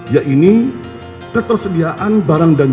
yaitu ketersediaan barang dan jangka